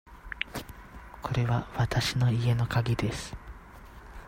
これはわたしの家のかぎです。